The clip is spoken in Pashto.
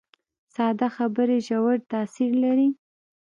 ساده خبرې ژور تاثیر لري